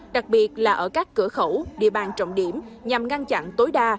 đặc biệt là ở các cửa khẩu địa bàn trọng điểm nhằm ngăn chặn tối đa